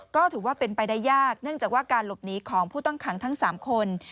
ก็ถือว่าเป็นไปได้ยากเนื่องจากว่าการหลบหนีของผู้ต้องขังทั้ง๓คน